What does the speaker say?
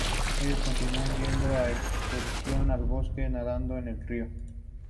Ellos continúan yendo de excursión al bosque y nadando en el río.